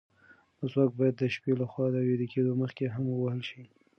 مسواک باید د شپې له خوا د ویده کېدو مخکې هم ووهل شي.